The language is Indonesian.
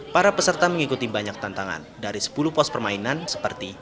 para peserta mengikuti banyak tantangan dari sepuluh pos permainan seperti